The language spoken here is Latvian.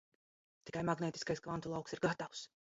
Tikai magnētiskais kvantu lauks ir gatavs.